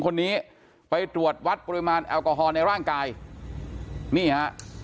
คนนี้ไปตรวจวัดปริมาณแอลกอฮอลในร่างกายนี่ฮะ